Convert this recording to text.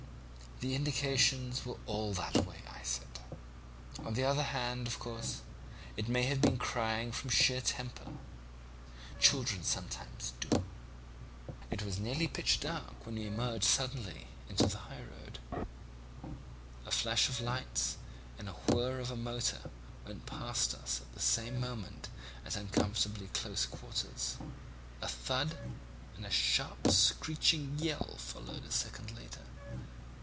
"'The indications were all that way,' I said; 'on the other hand, of course, it may have been crying from sheer temper. Children sometimes do.' "It was nearly pitch dark when we emerged suddenly into the highroad. A flash of lights and the whir of a motor went past us at the same moment at uncomfortably close quarters. A thud and a sharp screeching yell followed a second later.